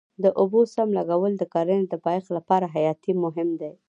د اوبو سم لګول د کرنې د پایښت لپاره حیاتي مهم دی.